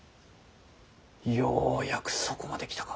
ようやくそこまで来たか！